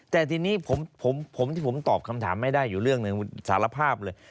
แต่ทีนี้ผมที่ผมตอบคำถามไม่ได้อยู่เรื่องหนึ่งสารภาพเลย